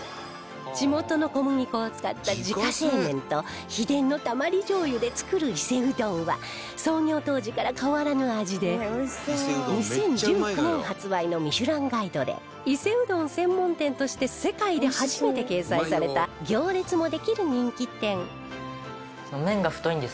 地元の小麦粉を使った自家製麺と秘伝のたまり醤油で作る伊勢うどんは創業当時から変わらぬ味で２０１９年発売の『ミシュランガイド』で伊勢うどん専門店として世界で初めて掲載された行列もできる人気店